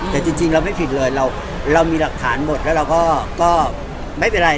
แต่จริงเราไม่ผิดเลยเรามีหลักฐานหมดแล้วเราก็ไม่เป็นไร